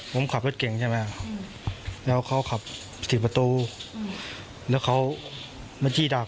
ผมขับรถเก่งใช่ไหมแล้วเขาขับสี่ประตูแล้วเขามาจี้ดัก